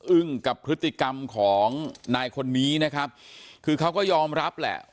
อึ้งกับพฤติกรรมของนายคนนี้นะครับคือเขาก็ยอมรับแหละ